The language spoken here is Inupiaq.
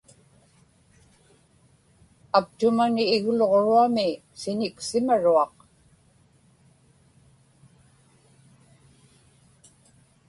aptumani igluġruami siñiksimaruaq